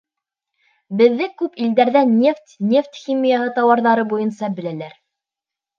— Беҙҙе күп илдәрҙә нефть, нефть химияһы тауарҙары буйынса беләләр.